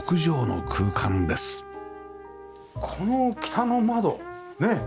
この北の窓ねえ。